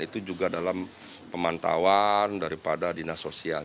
itu juga dalam pemantauan daripada dinas sosial